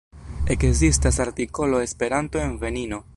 Ekzistas artikolo Esperanto en Benino.